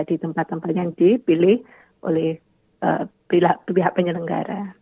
di tempat tempat yang dipilih oleh pihak penyelenggara